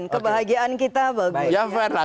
kebahagiaan kita baik